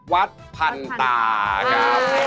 วัดพันตาครับ